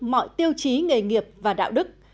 mọi tiêu chí nghề nghiệp và đạo đức